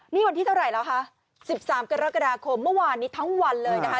นี่วันที่เท่าไหร่แล้วคะ๑๓กรกฎาคมเมื่อวานนี้ทั้งวันเลยนะคะ